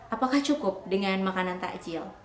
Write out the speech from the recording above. apakah cukup dengan makanan takjil